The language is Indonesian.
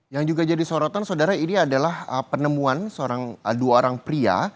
yang juga jadi sorotan saudara ini adalah penemuan dua orang pria